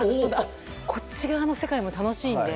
こっち側の世界も楽しいので